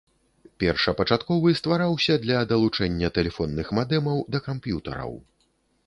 Першапачатковы ствараўся для далучэння тэлефонных мадэмаў да камп'ютараў.